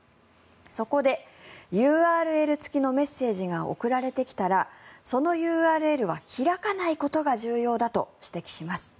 そこで、ＵＲＬ付きのメッセージが送られてきたらそのＵＲＬは開かないことが重要だと指摘しています。